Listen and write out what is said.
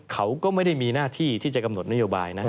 เขาก็ไม่ได้มีหน้าที่ที่จะกำหนดนโยบายนะ